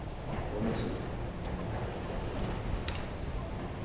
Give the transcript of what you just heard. おみつ。